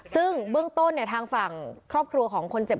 ซึ่งเบื้องต้นเนี่ยทางฝั่งครอบครัวของคนเจ็บ